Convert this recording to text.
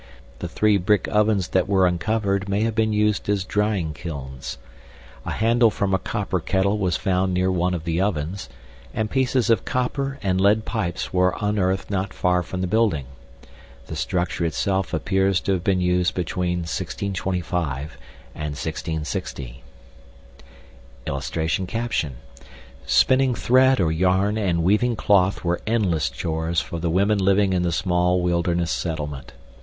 The three brick ovens that were uncovered may have been used as drying kilns. A handle from a copper kettle was found near one of the ovens, and pieces of copper and lead pipes were unearthed not far from the building. The structure itself appears to have been used between 1625 and 1660. [Illustration: SPINNING THREAD OR YARN AND WEAVING CLOTH WERE ENDLESS CHORES FOR THE WOMEN LIVING IN THE SMALL WILDERNESS SETTLEMENT.